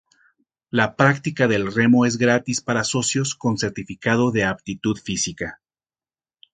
La práctica del remo es gratis para socios con certificado de aptitud física.